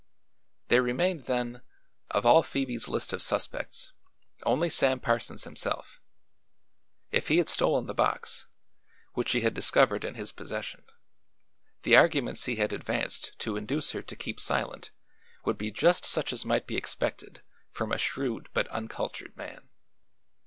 There remained, then, of all Phoebe's list of suspects, only Sam Parsons himself. If he had stolen the box which she had discovered in his possession the arguments he had advanced to induce her to keep silent would be just such as might be expected from a shrewd but uncultured man.